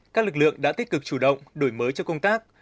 các lực lượng đã tích cực chủ động đổi mới cho công tác